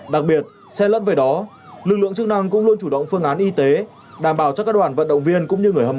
đặc biệt xe lẫn về đó lực lượng chức năng cũng luôn chủ động phương án y tế đảm bảo cho các đoàn vận động viên cũng như người hâm